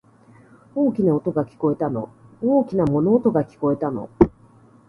大きな音が、聞こえたの。大きな物音が、聞こえたの。